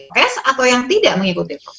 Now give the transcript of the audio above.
tes atau yang tidak mengikuti